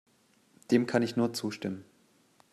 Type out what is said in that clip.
Dem kann ich nur zustimmen.